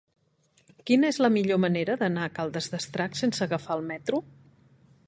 Quina és la millor manera d'anar a Caldes d'Estrac sense agafar el metro?